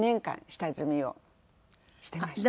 下積みしました。